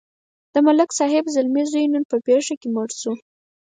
د ملک صاحب زلمی زوی نن په پېښه کې مړ شو.